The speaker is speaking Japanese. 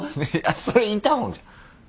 それインターホンじゃん。